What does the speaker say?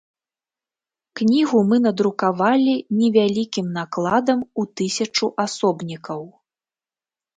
Кнігу мы надрукавалі невялікім накладам у тысячу асобнікаў.